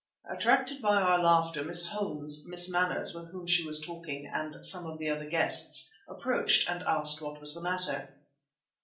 Attracted by our laughter, Miss Holmes, Miss Manners, with whom she was talking, and some of the other guests, approached and asked what was the matter.